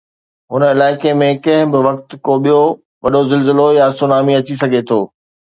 هن علائقي ۾ ڪنهن به وقت ڪو ٻيو وڏو زلزلو يا سونامي اچي سگهي ٿو.